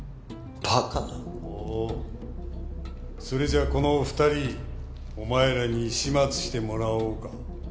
それじゃあこの２人お前らに始末してもらおうか。